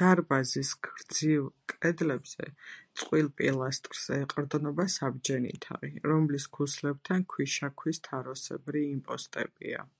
დარბაზის გრძივ კედლებზე წყვილ პილასტრს ეყრდნობა საბჯენი თაღი, რომლის ქუსლებთან ქვიშაქვის თაროსებრი იმპოსტებია.